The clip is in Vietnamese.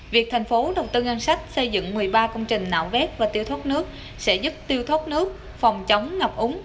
việc thành phố đầu tư ngân sách xây dựng một mươi ba công trình nạo vét và tiêu thoát nước sẽ giúp tiêu thoát nước phòng chống ngập úng